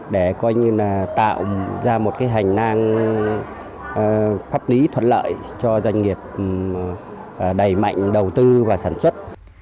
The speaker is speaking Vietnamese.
để coi như là tạo ra một cái hành năng pháp lý thuận lợi cho doanh nghiệp đầy mạnh đầu tư và sản xuất